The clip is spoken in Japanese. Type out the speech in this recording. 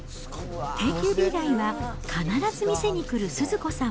定休日以外は、必ず店に来るスズ子さん。